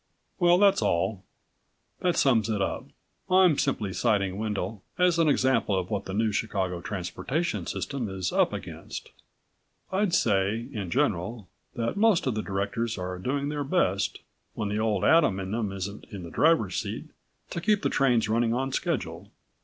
"Well, that's all. That sums it up. I'm simply citing Wendel as an example of what the New Chicago Transportation System is up against. I'd say, in general, that most of the directors are doing their best, when the Old Adam in them isn't in the driver's seat, to keep the trains running on schedule."